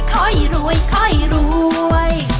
ค่อยรวยค่อยรวย